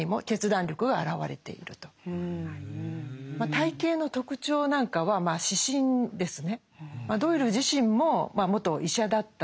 体形の特徴なんかはまあ視診ですね。